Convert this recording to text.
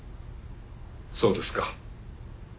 そうですか。